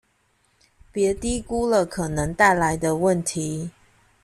別低估了可能帶來的問題